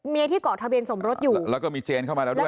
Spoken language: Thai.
ที่เกาะทะเบียนสมรสอยู่แล้วก็มีเจนเข้ามาแล้วด้วย